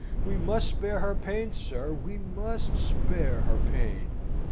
We must spare her pain, sir! We must spare her pain!"